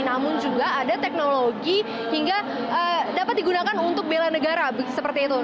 namun juga ada teknologi hingga dapat digunakan untuk bela negara seperti itu